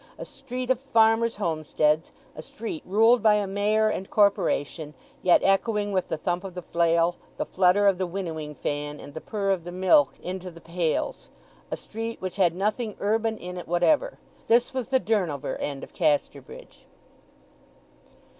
A street of farmers' homesteads—a street ruled by a mayor and corporation, yet echoing with the thump of the flail, the flutter of the winnowing fan, and the purr of the milk into the pails—a street which had nothing urban in it whatever—this was the Durnover end of Casterbridge.